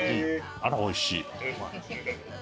あらおいしい。